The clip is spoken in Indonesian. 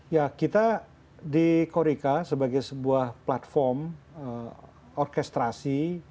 ya kita di korika sebagai sebuah platform orkestrasi